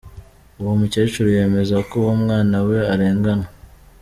Uwo mukecuru yemeza ko uwo mwana we arengana.